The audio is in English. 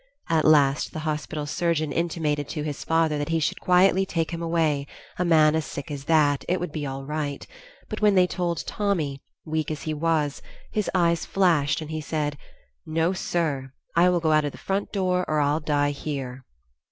At last the hospital surgeon intimated to his father that he should quietly take him away; a man as sick as that, it would be all right; but when they told Tommy, weak as he was, his eyes flashed, and he said, "No, sir; I will go out of the front door or I'll die here."